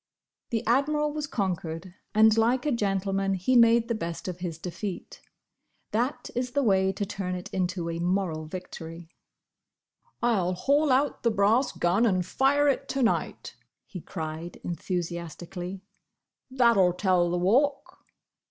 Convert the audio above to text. The Admiral was conquered, and like a gentleman, he made the best of his defeat. That is the way to turn it into a moral victory. "I 'll haul out the brass gun and fire it to night!" he cried, enthusiastically. "That'll tell the Walk!"